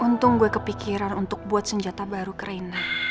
untung gue kepikiran untuk buat senjata baru ke rena